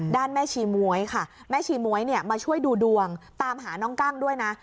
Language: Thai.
แม่ชีม้วยค่ะแม่ชีม้วยมาช่วยดูดวงตามหาน้องกั้งด้วยนะ